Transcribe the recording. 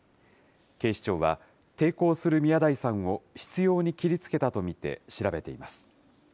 警視庁は、抵抗する宮台さんを執ように切りつけたと見て調べています。